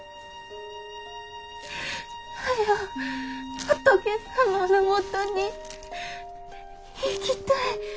早う仏様のもとに行きたい。